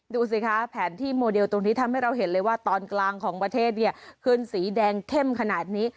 ดูสิคะแผนที่โมเดลตรงนี้ทำให้เราเห็นเลยว่าตอนกลางของประเทศเนี่ยขึ้นสีแดงเข้มขนาดนี้